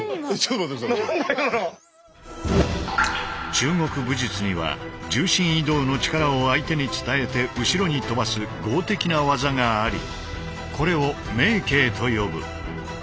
中国武術には重心移動の力を相手に伝えて後ろに飛ばす剛的な技がありこれを明勁と呼ぶ。